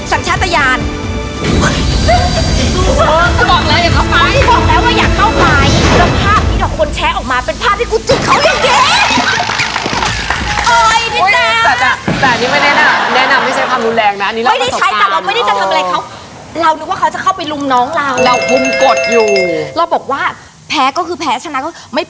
ไอ้คนข้างหน้าเราไม่รู้เราเป็นใคร